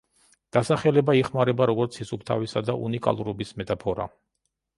დასახელება იხმარება, როგორც სისუფთავისა და უნიკალურობის მეტაფორა.